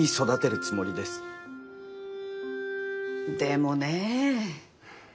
でもねえ。